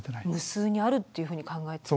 無数にあるっていうふうに考えて？